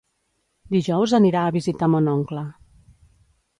Dijous anirà a visitar mon oncle.